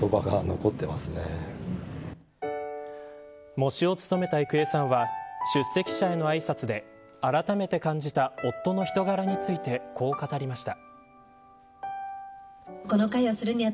喪主を務めた郁恵さんは出席者へのあいさつであらためて感じた夫の人柄についてこう語りました。